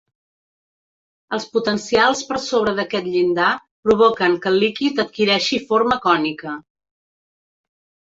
Els potencials per sobre d'aquest llindar, provoquen que el líquid adquireixi forma cònica.